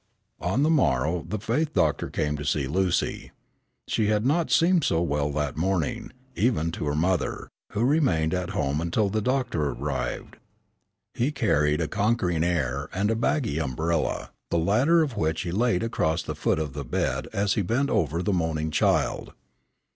On the morrow the faith doctor came to see Lucy. She had not seemed so well that morning, even to her mother, who remained at home until the doctor arrived. He carried a conquering air, and a baggy umbrella, the latter of which he laid across the foot of the bed as he bent over the moaning child.